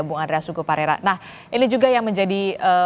bung andreasuguparera nah ini juga yang menjadi